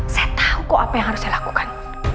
saya tahu kok apa yang harus saya lakukan